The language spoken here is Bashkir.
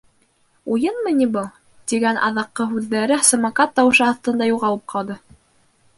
Уйынмы ни был? -тигән аҙаҡҡы һүҙҙәре «самокат» тауышы аҫтында юғалып ҡалды.